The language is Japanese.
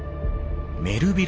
メルヴィル